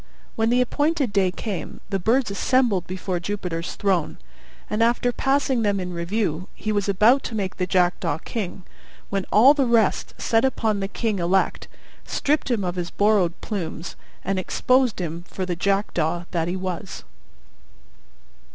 When the appointed day came, the birds assembled before Jupiter's throne; and, after passing them in review, he was about to make the Jackdaw king, when all the rest set upon the king elect, stripped him of his borrowed plumes, and exposed him for the Jackdaw that he was.